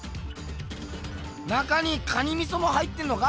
中に蟹みそも入ってんのか？